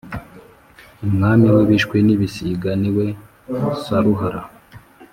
umwami w’ibishwi n’ibisiga niwe saruhara.